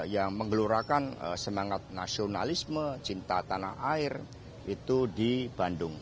yang menggelurakan semangat nasionalisme cinta tanah air itu di bandung